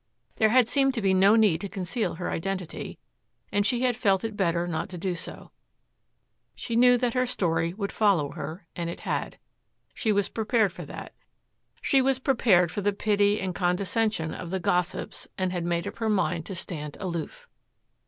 There had seemed to be no need to conceal her identity, and she had felt it better not to do so. She knew that her story would follow her, and it had. She was prepared for that. She was prepared for the pity and condescension of the gossips and had made up her mind to stand aloof.